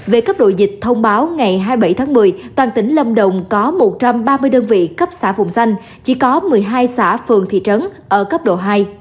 về cấp độ dịch thông báo ngày hai mươi bảy tháng một mươi toàn tỉnh lâm đồng có một trăm ba mươi đơn vị cấp xã vùng xanh chỉ có một mươi hai xã phường thị trấn ở cấp độ hai